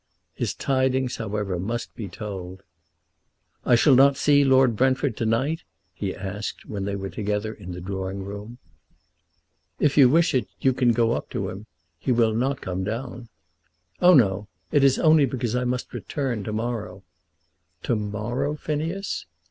His tidings, however, must be told. "I shall not see Lord Brentford to night?" he asked, when they were together in the drawing room. "If you wish it you can go up to him. He will not come down." "Oh, no. It is only because I must return to morrow." "To morrow, Phineas!"